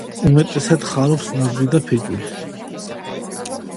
უმეტესად ხარობს ნაძვი და ფიჭვი.